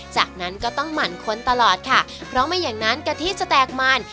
จากนั้นก็ต้องหมั่นค้นตลอดค่ะเพราะไม่อย่างนั้นกะทิจะแตกมัน